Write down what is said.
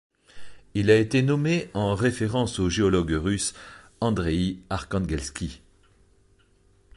Il a été nommé en référence au géologue russe Andreï Arkhanguelski.